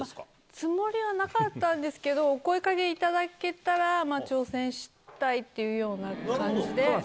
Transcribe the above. つもりはなかったんですけど、お声かけいただけたら、挑戦したいっていうような感じで。